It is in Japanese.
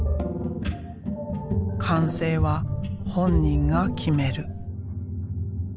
完成は本人が決める。